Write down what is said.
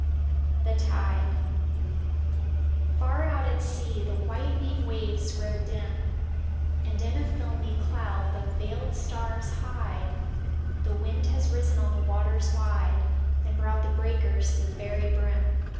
XTbe Zibc AR out at sea the whitening waves grow dim And in a filmy cloud the veiled stars hide; The wind has risen on the waters wide And brought the breakers to the very brim.